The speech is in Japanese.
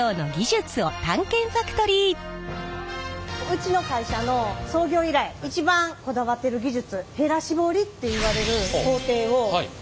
うちの会社の創業以来一番こだわってる技術へら絞りっていわれる工程を見ていただきたいなと思ってます。